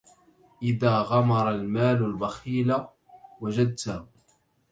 إذا غمر المال البخيل وجدته